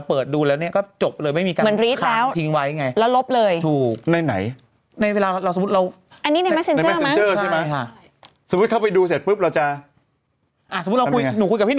ต่อไปหลักฐานอะไรที่พี่หนุ่มเคยคุยกับใครเขาจะหายไป